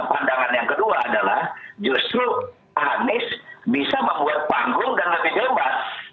nah pandangan yang kedua adalah justru anies bisa membuat panggung dengan lebih jelas